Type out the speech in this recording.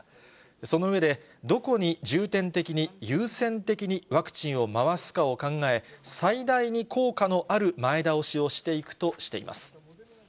その上で、どこに重点的に優先的にワクチンを回すかを考え、最大に効果のある前倒しをしていくとしています。